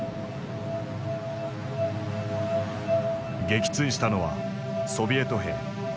撃墜したのはソビエト兵。